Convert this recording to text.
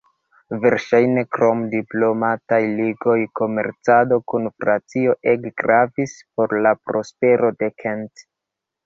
Verŝajne, krom diplomataj ligoj, komercado kun Francio ege gravis por la prospero de Kent.